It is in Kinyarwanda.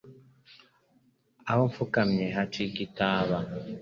Aho mfukamye hacika itaba